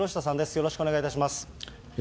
よろしくお願いします。